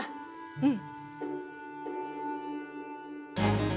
うん！